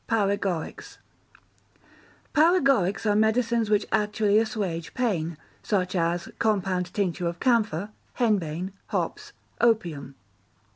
Paregorics Paregorics are medicines which actually assuage pain, such as compound tincture of camphor, henbane, hops, opium.